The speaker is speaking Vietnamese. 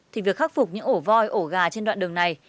thì việc khắc phục những ổ voi ổ gà trên đoạn đường này